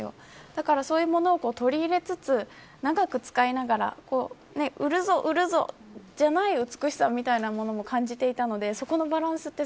だから、そういうものを取り入れつつ長く使いながら売るぞ、売るぞ、じゃない美しさみたいなものも感じていたのでそこのバランスって